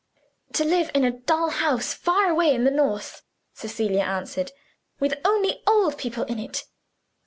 "To live in a dull house, far away in the north," Cecilia answered; "with only old people in it.